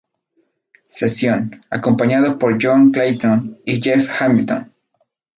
Session", acompañado por John Clayton y Jeff Hamilton.